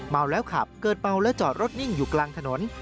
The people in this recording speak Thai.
เมาแล้วขับเกิดเมาและจอดรถนิ่งอยู่กลางถนน